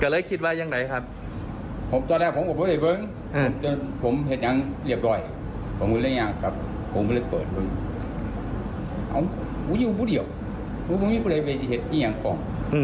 เรียกว่าเป็นหิวเขาเพราะว่ามันเลยไปซื้อเขาซื้อน้ำมันยังไม่เป็น